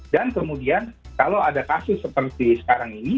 dan kemudian kalau ada kasus seperti sekarang ini